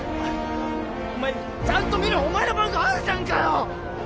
お前ちゃんと見ろお前の番号あるじゃんかよ！